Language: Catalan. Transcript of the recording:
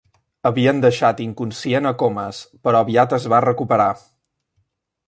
Havien deixat inconscient a Comas, però aviat es va recuperar.